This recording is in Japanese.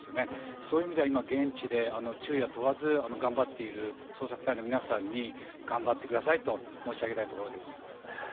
そういう意味では今、現地で昼夜問わず頑張っている捜索隊の皆さんに、頑張ってくださそうですね。